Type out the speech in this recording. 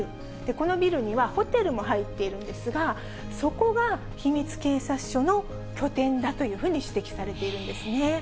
このビルにはホテルも入っているんですが、そこが秘密警察署の拠点だというふうに指摘されているんですね。